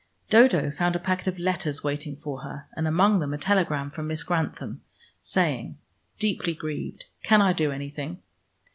Dodo found a packet of letters waiting for her and among them a telegram from Miss Grantham saying, "Deeply grieved. Can I do anything?"